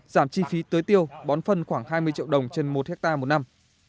giảm chi phí tưới tiêu bón phân khoảng hai mươi triệu đồng trên một hectare một năm